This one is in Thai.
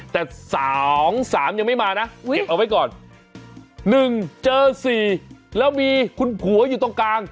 แต่สองสามยังไม่มานะเก็บเอาไว้ก่อนหนึ่งเจอสี่แล้วมีคุณผัวอยู่ตรงกลาง